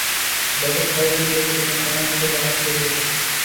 যাকে ছাই বলে দেখেছিলুম তার মধ্যে থেকে আগুন জ্বলে উঠেছে।